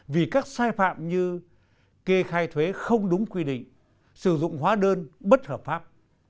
vì các sai phạm như kê khai thuế không đúng quy định sử dụng hóa đơn bất hợp pháp